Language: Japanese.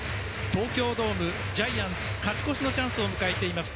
東京ドームジャイアンツ勝ち越しのチャンスを迎えています。